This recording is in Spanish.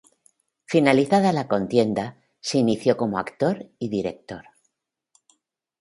Finalizada la contienda, se inició como actor y director.